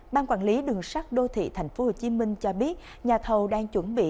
ban quản lý đường sắt đô thị tp hcm cho biết nhà thầu đang chuẩn bị